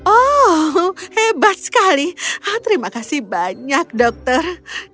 oh hebat sekali terima kasih banyak dokter